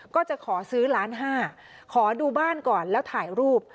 ก็จะขอซื้อล้านห้าขอดูบ้านก่อนแล้วถ่ายรูป